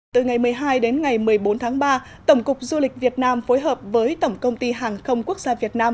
từ ngày một mươi hai đến ngày một mươi bốn tháng ba tổng cục du lịch việt nam phối hợp với tổng công ty hàng không quốc gia việt nam